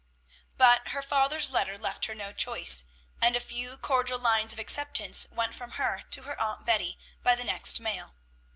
But her father's letter left her no choice, and a few cordial lines of acceptance went from her to her Aunt Betty by the next mail.